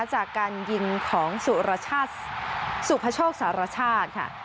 จากการยิงของสุพชกสรชาติค่ะ